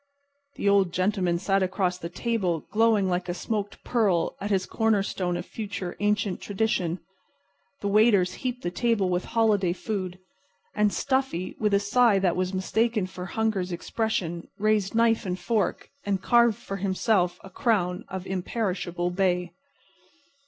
The Old Gentleman sat across the table glowing like a smoked pearl at his corner stone of future ancient Tradition. The waiters heaped the table with holiday food—and Stuffy, with a sigh that was mistaken for hunger's expression, raised knife and fork and carved for himself a crown of imperishable bay.